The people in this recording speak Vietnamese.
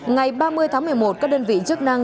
ngày ba mươi tháng một mươi một các đơn vị chức năng